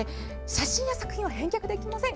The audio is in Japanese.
写真や作品は返却できません。